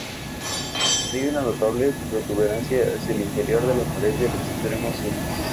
Hay una notable protuberancia hacia el interior de la pared del extremo sur.